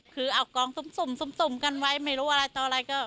คือเอากองสุ่มกันไว้ไม่รู้อะไรต่ออะไรก็